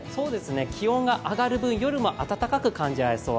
気温が上がる分、夜も暖かく感じられそう。